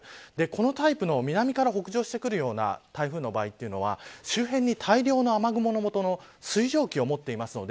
このタイプの南から北上してくるような台風の場合というのは周辺に大量の雨雲のもとの水蒸気を持っています。